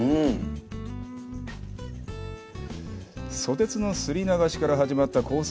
ソテツのすり流しから始まったコース